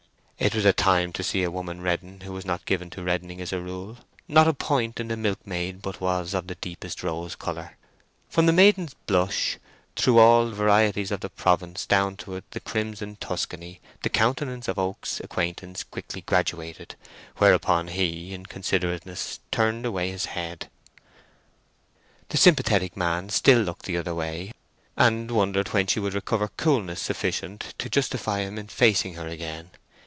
It was a time to see a woman redden who was not given to reddening as a rule; not a point in the milkmaid but was of the deepest rose colour. From the Maiden's Blush, through all varieties of the Provence down to the Crimson Tuscany, the countenance of Oak's acquaintance quickly graduated; whereupon he, in considerateness, turned away his head. The sympathetic man still looked the other way, and wondered when she would recover coolness sufficient to justify him in facing her again.